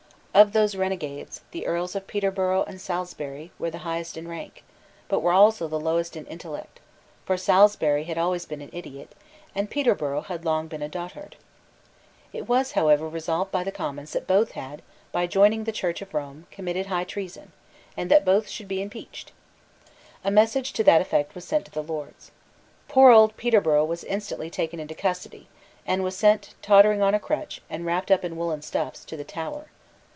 Of those renegades the Earls of Peterborough and Salisbury were the highest in rank, but were also the lowest in intellect: for Salisbury had always been an idiot; and Peterborough had long been a dotard. It was however resolved by the Commons that both had, by joining the Church of Rome, committed high treason, and that both should be impeached, A message to that effect was sent to the Lords. Poor old Peterborough was instantly taken into custody, and was sent, tottering on a crutch, and wrapped up in woollen stuffs, to the Tower.